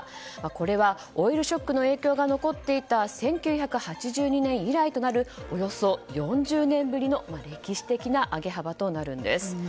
これはオイルショックの影響が残っていた１９８２年以来となるおよそ４０年ぶりの歴史的な上げ幅となります。